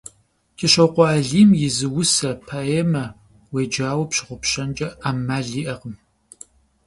КӀыщокъуэ Алим и зы усэ, поэмэ уеджауэ пщыгъупщэнкӀэ Ӏэмал иӀэкъым.